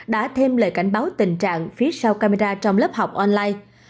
đã thêm lời cảnh báo tình trạng phía sau camera trong lớp học online